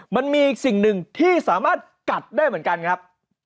มันมีสิ่งหนึ่งที่สามารถกัดได้เหมือนกันครับ